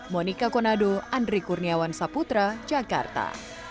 monika konado andri kurniawan saputra jakarta